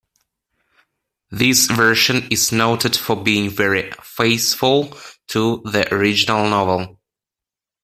This version is noted for being very faithful to the original novel.